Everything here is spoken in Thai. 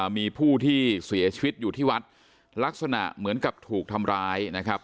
มีผู้ที่เสียชีวิตอยู่ที่วัดลักษณะเหมือนกับถูกทำร้ายนะครับ